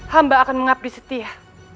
hamba akan mengabdi setia